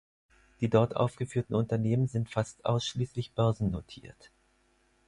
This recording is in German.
Die dort aufgeführten Unternehmen sind fast ausschließlich börsennotiert.